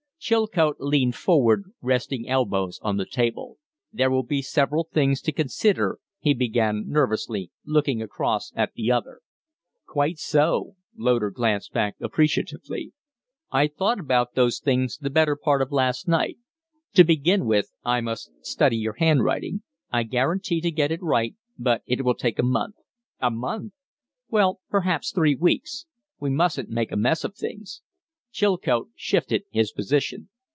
Chilcote leaned forward, resting elbows on the table. "There will be several things to consider " he began, nervously, looking across at the other. "Quite so." Loder glanced back appreciatively. "I thought about those things the better part of last night. To begin with, I must study your handwriting. I guarantee to get it right, but it will take a month." "A month!" "Well, perhaps three weeks. We mustn't make a mess of things." Chilcote shifted his position.